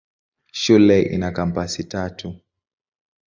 Shule ina kampasi tatu.